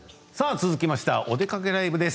続きましては「おでかけＬＩＶＥ」です。